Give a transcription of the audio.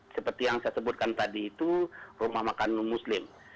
seperti yang saya sebutkan tadi itu rumah makan non muslim